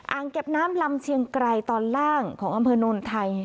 เก็บน้ำลำเชียงไกรตอนล่างของอำเภอโนนไทย